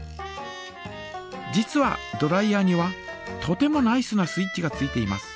実はドライヤーにはとてもナイスなスイッチがついています。